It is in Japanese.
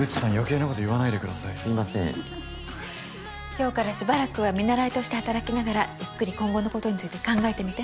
今日からしばらくは見習いとして働きながらゆっくり今後のことについて考えてみて。